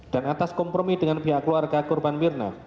dan atas kompromi dengan pihak keluarga korban mirna